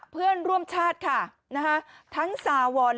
เพื่อนร่วมชาติค่ะทั้งสาวอน